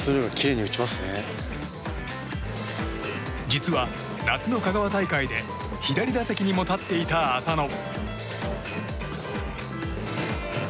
実は、夏の香川大会で左打席にも立っていた浅野